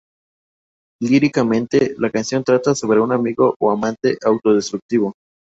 Líricamente, la canción trata sobre un amigo o amante autodestructivo.